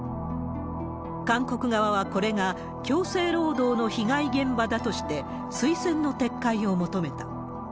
韓国側は、これが強制労働の被害現場だとして、推薦の撤回を求めた。